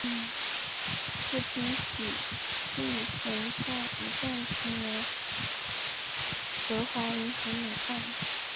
父亲许杏泉在一战前为德华银行买办。